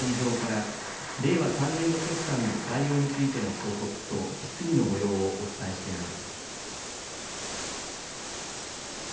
参議院本会議場から、令和３年度決算の概要についての報告と質疑のもようをお伝えしています。